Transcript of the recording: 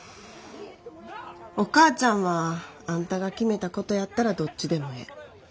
お母ちゃんはあんたが決めたことやったらどっちでもええ。